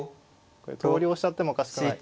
これ投了しちゃってもおかしくない。